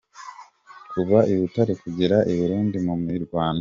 Kuva i Bitare kugera i Burundi mu mirwano.